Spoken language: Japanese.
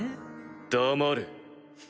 黙れ。